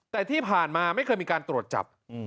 แต่ที่ผ่านมาไม่เคยมีการตรวจจับ